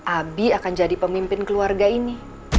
abi akan jadi pemimpin keluarga ini